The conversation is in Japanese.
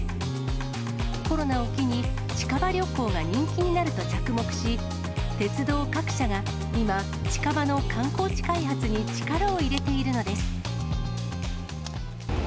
コロナを機に、近場旅行が人気になると着目し、鉄道各社が今、近場の観光地開発に力を入れているのです。